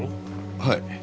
はい。